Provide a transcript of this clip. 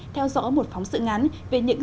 theo dõi một phóng sự ngắn về những